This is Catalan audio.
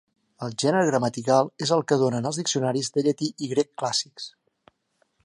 El gènere gramatical és el que donen els diccionaris de llatí i grec clàssics.